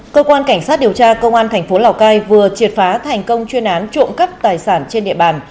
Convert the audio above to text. cơ quan cảnh sát điều tra công an thành phố lào cai vừa triệt phá thành công chuyên án trộm cắp tài sản trên địa bàn